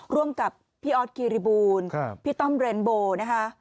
ร่วมกับพี่ออสกิริบูลพี่ต้อมเรนโบนะคะ